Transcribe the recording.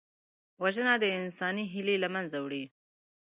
وژنه د انساني هیلې له منځه وړي